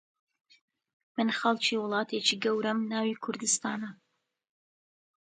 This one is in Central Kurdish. من خەڵکی وڵاتێکی گەورەم ناوی کوردستانە